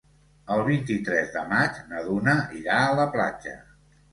El vint-i-tres de maig na Duna irà a la platja.